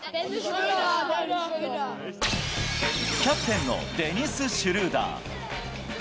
キャプテンのデニス・シュルーダー。